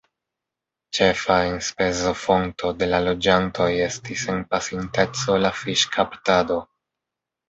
Ĉefa enspezofonto de la loĝantoj estis en pasinteco la fiŝkaptado.